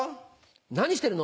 何してるの？